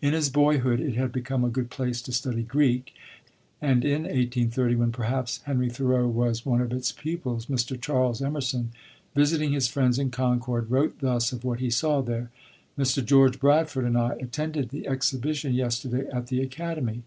In his boyhood it had become a good place to study Greek, and in 1830, when perhaps Henry Thoreau was one of its pupils, Mr. Charles Emerson, visiting his friends in Concord, wrote thus of what he saw there: "Mr. George Bradford and I attended the Exhibition yesterday at the Academy.